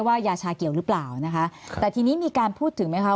ว่ายาชาเกียวหรือเปล่าแต่ทีนี้มีการพูดถึงมั้ยคะ